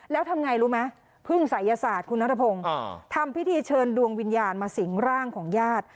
แล้วทำไงรู้ไหมพึ่งศัยศาสตร์คุณนัทพงศ์ทำพิธีเชิญดวงวิญญาณมาสิงร่างของญาติ